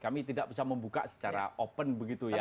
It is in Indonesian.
kami tidak bisa membuka secara open begitu ya